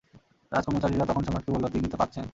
রাজকর্মচারীরা তখন সম্রাটকে বলল, তিনি তো কাঁদছেন।